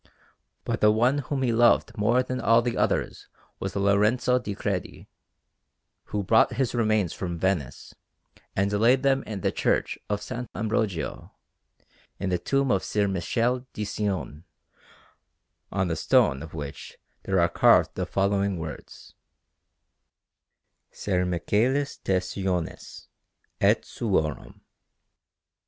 But the one whom he loved more than all the others was Lorenzo di Credi, who brought his remains from Venice and laid them in the Church of S. Ambrogio, in the tomb of Ser Michele di Cione, on the stone of which there are carved the following words: SER MICHÆLIS DE CIONIS, ET SUORUM.